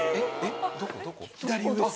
左上です。